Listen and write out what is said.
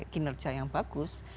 kinerja yang bagus